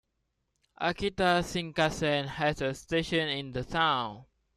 Akita Shinkansen has a station in the town.